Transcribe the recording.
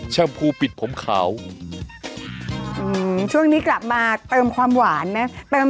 ช่วงนี้กลับมาเติมความหวานนะ